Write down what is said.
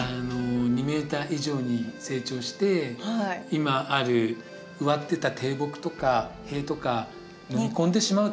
２メーター以上に成長して今ある植わってた低木とか塀とかのみ込んでしまう。